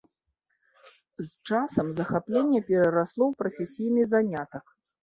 З часам захапленне перарасло ў прафесійны занятак.